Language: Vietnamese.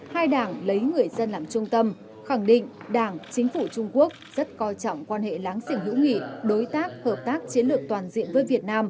hai đảng lấy người dân làm trung tâm khẳng định đảng chính phủ trung quốc rất coi trọng quan hệ láng giềng hữu nghị đối tác hợp tác chiến lược toàn diện với việt nam